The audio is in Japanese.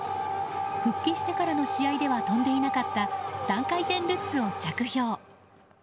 復帰してからの試合では跳んでいなかった３回転ルッツを着氷。